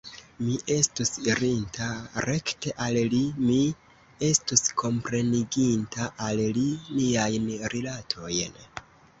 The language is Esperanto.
Mi estus irinta rekte al li; mi estus kompreniginta al li niajn rilatojn.